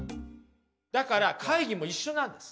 だから会議も一緒なんです。